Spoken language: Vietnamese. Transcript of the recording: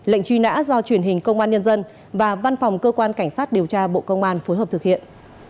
lệnh truy nã do truyền hình công an nhân dân và văn phòng cơ quan cảnh sát điều tra bộ công an phối hợp thực hiện